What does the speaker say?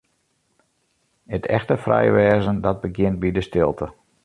It echte frij wêzen, dat begjint by de stilte.